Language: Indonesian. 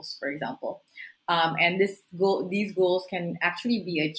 seperti yang anda katakan